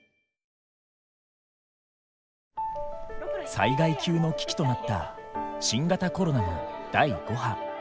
災害級の危機となった新型コロナの第５波。